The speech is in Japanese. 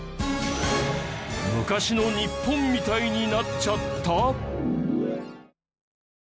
昔の日本みたいになっちゃった！？